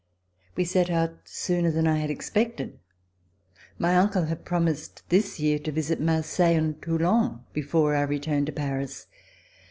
We set out sooner than I had expected. My uncle had promised this year to visit Marseille and Toulon before our return to Paris.